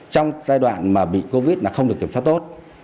trong giai đoạn mà bị covid là không được kiểm soát tốt